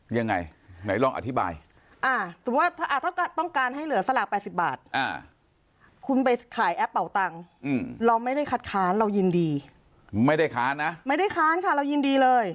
ยังไงไหนลองอธิบายถ้าต้องการให้เหลือสลาก๘๐บาทคุณไปขายแอปเป่าตังค์เราไม่ได้คัดค้านเรายินดี